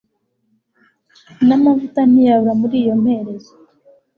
namavuta ntiyabura muri iyo mperezo